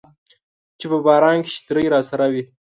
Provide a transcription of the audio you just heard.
چې په باران کې چترۍ راسره وي